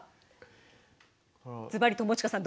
ずばり友近さん